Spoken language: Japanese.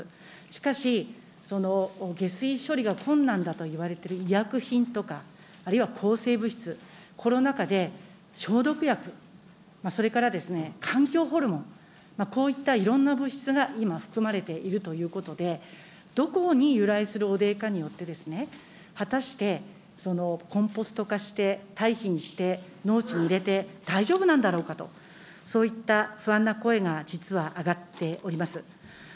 しかし、その下水処理が困難だといわれている医薬品とか、あるいは抗生物質、コロナ禍で、消毒薬、それから環境ホルモン、こういったいろんな物質が今含まれているということで、どこに由来する汚泥かによって、果たしてそのコンポスト化して、たい肥にして、農地に入れて大丈夫なんだろうかと、そういった不安な声が実は上がっております。